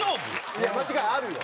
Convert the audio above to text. いや間違いあるよ。